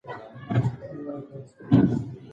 ایا هغې پخوانۍ ژمنه کړې وه؟